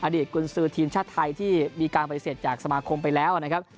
ตกุญสือทีมชาติไทยที่มีการปฏิเสธจากสมาคมไปแล้วนะครับ